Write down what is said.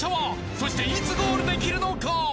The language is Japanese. そして、いつゴールできるのか。